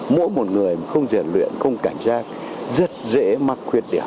mỗi một người không rèn luyện không cảnh giác rất dễ mắc khuyết điểm